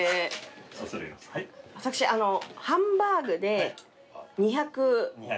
私ハンバーグで２００。